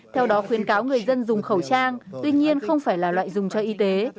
theo đó khuyến cáo người dân dùng khẩu trang tuy nhiên không phải là loại dùng cho y tế